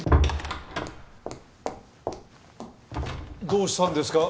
どうしたんですか？